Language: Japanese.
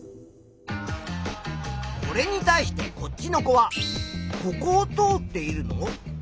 これに対してこっちの子は「ここをとおっているの？」